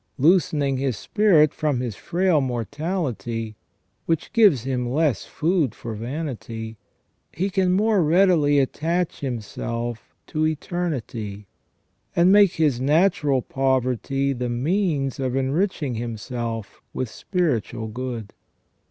Loosening his spirit firom his frail mortality, which gives him less food for vanity, he can more readily attach himself to eternity, and make his natural poverty the means of enriching himself with spiritual good.